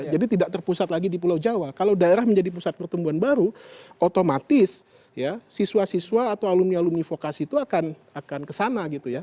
jadi tidak terpusat lagi di pulau jawa kalau daerah menjadi pusat pertumbuhan baru otomatis siswa siswa atau alumni alumni vokasi itu akan kesana gitu ya